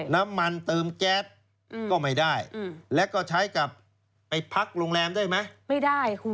น้ำมันเติมแก๊สก็ไม่ได้แล้วก็ใช้กลับไปพักโรงแรมได้ไหมไม่ได้คุณ